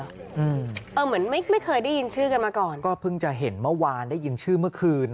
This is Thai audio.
เหมือนไม่ไม่เคยได้ยินชื่อกันมาก่อนก็เพิ่งจะเห็นเมื่อวานได้ยินชื่อเมื่อคืน